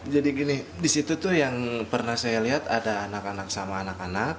jadi gini di situ tuh yang pernah saya lihat ada anak anak sama anak anak